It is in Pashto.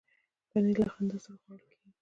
پنېر له خندا سره خوړل کېږي.